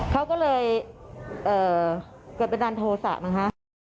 เขาก็เลยเอ่อเกิดประดันโทษะมันฮะ